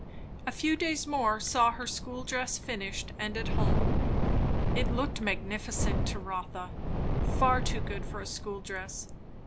A few days more saw her school dress finished and at home. It looked magnificent to Rotha; far too good for a school dress.